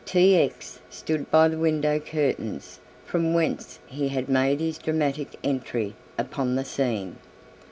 T. X. stood by the window curtains from whence he had made his dramatic entry upon the scene.